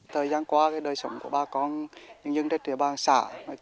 thời gian qua đời sống của bà con nhân dân đất trị bà xã